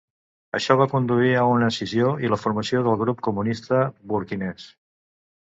Això va conduir a una escissió i la formació del Grup Comunista Burkinès.